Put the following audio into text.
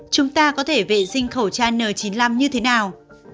chúng ta có thể vệ sinh khẩu trang n chín mươi năm như thế nào